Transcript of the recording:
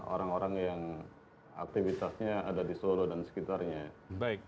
orang orang yang aktivitasnya ada di solo dan sekitarnya